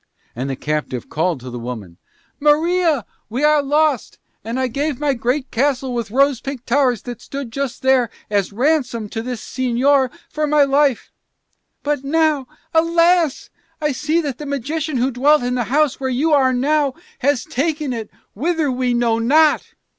And the captive called to the woman, "Maria, we are lost. And I gave my great castle with rose pink towers that stood just here as ransom to this señor for my life. But now, alas, I see that that magician who dwelt in the house where you are now has taken it whither we know not."